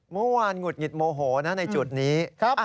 เมื่อวานหงุดหงิดโมโหนะในจุดนี้